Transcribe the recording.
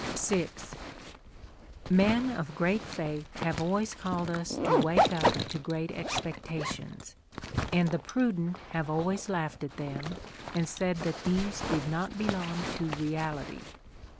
VI Men of great faith have always called us to wake up to great expectations, and the prudent have always laughed at them and said that these did not belong to reality.